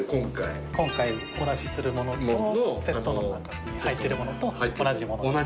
今回お出しするもののセットの中に入ってるものと同じものですね。